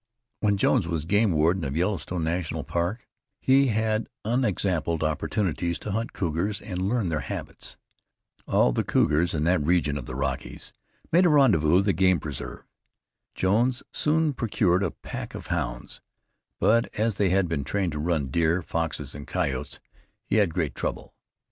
When Jones was game warden of the Yellowstone National Park, he had unexampled opportunities to hunt cougars and learn their habits. All the cougars in that region of the Rockies made a rendezvous of the game preserve. Jones soon procured a pack of hounds, but as they had been trained to run deer, foxes and coyotes he had great trouble.